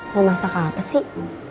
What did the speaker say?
mau masak apa sih